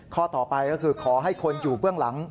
ข้อต่อไปก็คือขอให้คนอยู่เบื้องหลัง